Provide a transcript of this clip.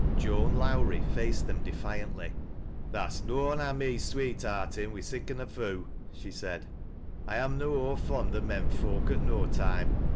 Joan Lowi ie faced them defiantly :" Tha'st uoan ha' me sweetheartin' wi' siccan a foo','' she said, " I amna ower fond o' men folk at no time.